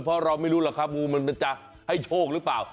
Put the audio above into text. เพราะเราไม่รู้หรอกครับงูมันจะให้โชคหรือเปล่า